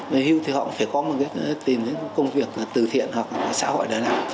về hưu thì họ cũng phải có một cái tìm những công việc từ thiện hoặc là xã hội để làm